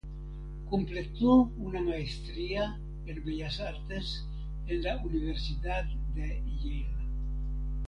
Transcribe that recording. Completó una maestría en bellas artes en la Universidad de Yale.